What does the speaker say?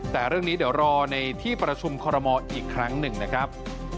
แต่เรื่องนี้เดี๋ยวรอในที่ประชุมคอรมอลอีกครั้งหนึ่งนะครับ